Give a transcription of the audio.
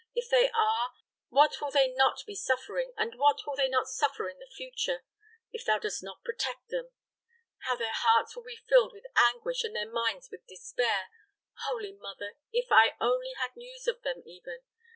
If they are, what will they not be suffering, and what will they not suffer in the future, if thou dost not protect them? How their hearts will be filled with anguish and their minds with despair! Holy Mother! if I only had news of them, even.